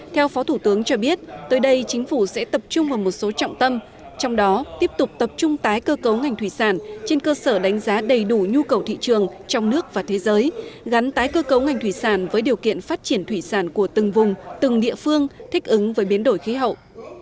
theo phó thủ tướng cho biết tới đây chính phủ sẽ tập trung vào một số trọng tâm trong đó tiếp tục tập trung tái cơ cấu ngành thủy sản trên cơ sở đánh giá đầy đủ nhu cầu thị trường trong nước và thế giới gắn tái cơ cấu ngành thủy sản với điều kiện phát triển thủy sản của từng vùng từng địa phương thích ứng với biến đổi khí hậu